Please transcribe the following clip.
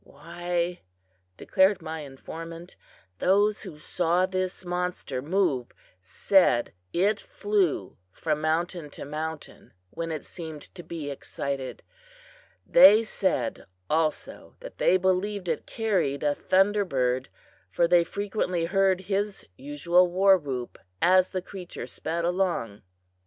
"Why," declared my informant, "those who saw this monster move said that it flew from mountain to mountain when it seemed to be excited. They said also that they believed it carried a thunder bird, for they frequently heard his usual war whoop as the creature sped along!"